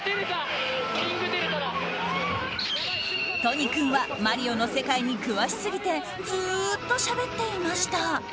都仁君はマリオの世界に詳しすぎてずっとしゃべっていました。